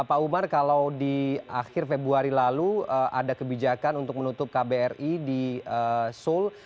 pak umar kalau di akhir februari lalu ada kebijakan untuk menutup kbri di seoul